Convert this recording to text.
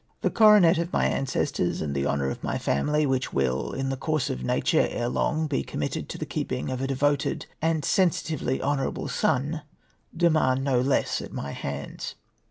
The coronet of my ancestors, and the honour of my family, which will, in the course of nature ere long be committed to the keeping of a devoted and sensitively honourable son, demand no less at my hands.